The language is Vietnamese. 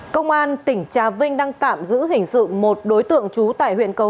công an tỉnh trà vinh đang tạm giữ hình sự một đối tượng chú tại huyện công